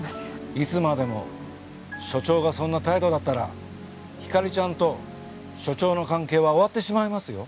いつまでも署長がそんな態度だったらひかりちゃんと署長の関係は終わってしまいますよ。